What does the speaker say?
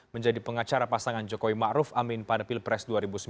menjadi pengacara pasangan jokowi ma'ruf amin pada pilpres dua ribu sembilan belas